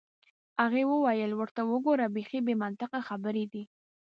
هغې وویل: ورته وګوره، بیخي بې منطقه خبرې دي.